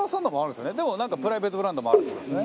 でもプライベートブランドもあるって事ですね。